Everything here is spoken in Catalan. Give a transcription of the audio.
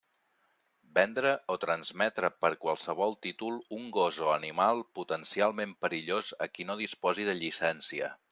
Vendre o transmetre per qualsevol títol un gos o animal potencialment perillós a qui no disposi de llicència.